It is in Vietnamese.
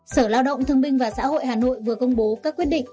sở lao động thương binh và xã hội hà nội vừa công bố các quyết định